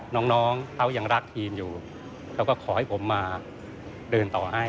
น้องเขายังรักทีมอยู่แล้วก็ขอให้ผมมาเดินต่อให้